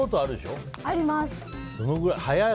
あります。